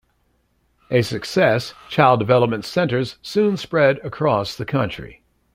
A success, Child Development Centers soon spread across the country.